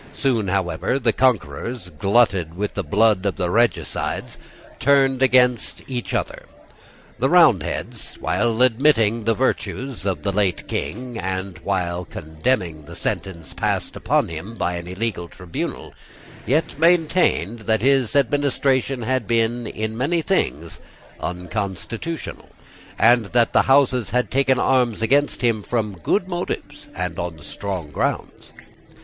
Soon, however, the conquerors, glutted with the blood of the regicides, turned against each other. The Roundheads, while admitting the virtues of the late King, and while condemning the sentence passed upon him by an illegal tribunal, yet maintained that his administration had been, in many things, unconstitutional, and that the Houses had taken arms against him from good motives and on strong grounds.